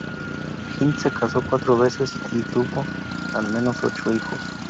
Hind, se casó cuatro veces y tuvo, al menos, ocho hijos.